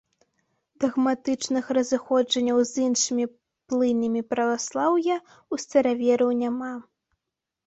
Дагматычных разыходжанняў з іншымі плынямі праваслаўя ў старавераў няма.